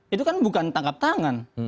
itu kan bukan tangkap tangan